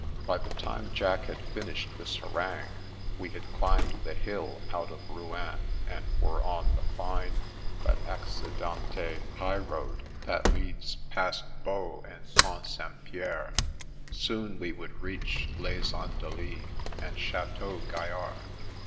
By the time Jack had finished this harangue we had climbed the hill out of Rouen and were on the fine but accident e highroad that leads past Boos and Pont St. Pierre. Soon we would reach Les Andelys and Chateau Gaillard.